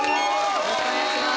よろしくお願いします。